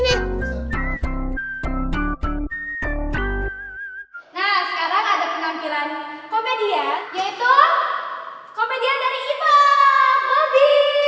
nah sekarang ada penampilan komedian yaitu komedian dari kita